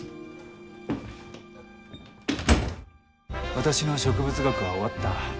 私の植物学は終わった。